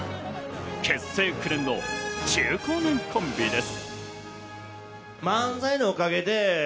結成９年の中高年コンビです。